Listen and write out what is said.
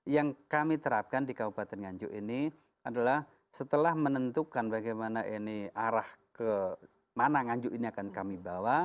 yang kami terapkan di kabupaten nganjuk ini adalah setelah menentukan bagaimana ini arah ke mana nganjuk ini akan kami bawa